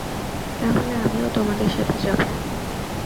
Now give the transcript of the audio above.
তাহলে আমিও তোমাদের সাথে যাবো।